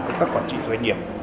của các quản trị doanh nghiệp